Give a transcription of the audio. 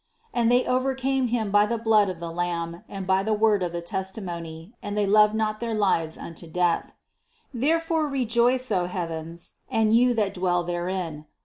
11. And they overcame him by the blood of the Lamb and by the word of the testimony, and they loved not their lives unto death. 12. Therefore rejoice, O heavens, and you that dwell therein.